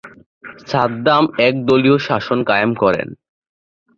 সাদ্দাম এক দলীয় শাসন কায়েম করেন।